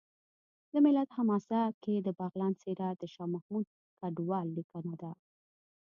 د ملت حماسه کې د بغلان څېره د شاه محمود کډوال لیکنه ده